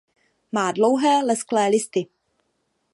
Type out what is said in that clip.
Má dlouhé lesklé listy.